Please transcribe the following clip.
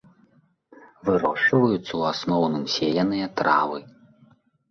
Вырошчваюць у асноўным сеяныя травы.